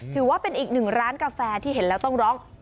ถือว่าเป็นอีกหนึ่งร้านกาแฟที่เห็นแล้วต้องร้อง